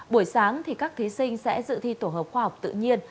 buổi sáng các thí sinh sẽ dự thi tổ hợp khoa học tự nhiên